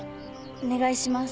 お願いします。